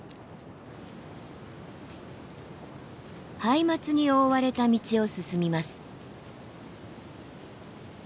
ハイマツに覆われた道を進みます。